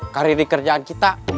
karir di kerjaan kita